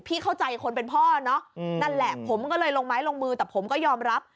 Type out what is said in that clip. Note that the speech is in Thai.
เข้าใจคนเป็นพ่อเนอะนั่นแหละผมก็เลยลงไม้ลงมือแต่ผมก็ยอมรับ